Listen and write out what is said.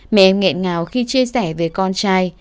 mẹ em nghẹn ngào khi chia sẻ về con trai